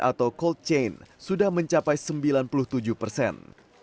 atau cold chain sudah mencapai sembilan puluh tujuh persen